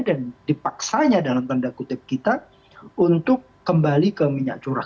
dan dipaksanya dalam tanda kutip kita untuk kembali ke minyak curah